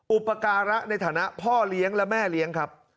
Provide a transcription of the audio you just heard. อุปการะในฐานะพ่อเลี้ยงและแม่เลี้ยงครับ